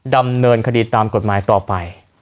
ดำเนินคดีตามกฎหมายต่อไป